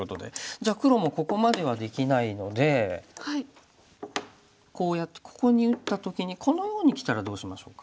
じゃあ黒もここまではできないのでこうやってここに打った時にこのようにきたらどうしましょうか。